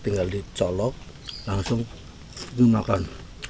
tinggal dicolok langsung dimakan